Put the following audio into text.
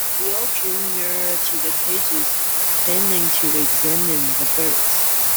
We all drew nearer to the cages, feigning to examine the birds.